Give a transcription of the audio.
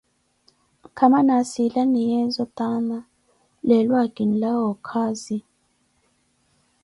nkama naasilaniyeezo taana, leelo akinlawa okaazi.